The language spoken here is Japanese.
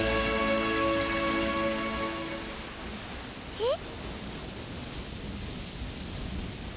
えっ？